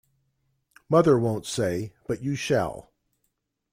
Mother won't say, but you shall.